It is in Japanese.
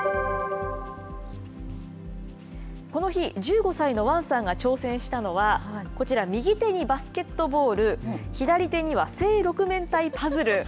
この日、１５歳のワンさんが挑戦したのは、こちら、右手にバスケットボール、左手には正６面体パズル。